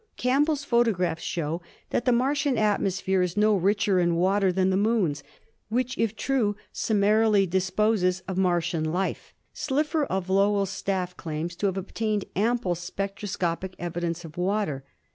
Campbell's photographs show that the Martian atmosphere is no richer in water than the Moon's, which if true summarily disposes of Martian life. Slipher of Lowell's staff claims to have obtained ample spectro scopic evidence of water.